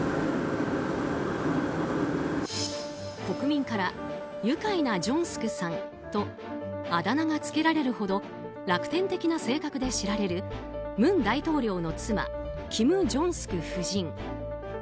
国民から愉快なジョンスクさんとあだ名がつけられるほど楽天的な性格で知られる文大統領の妻キム・ジョンスク夫人。